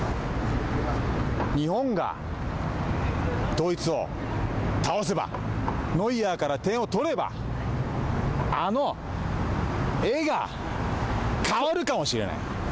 日本がドイツを倒せばノイアーから点を取ればあの絵が変わるかもしれない。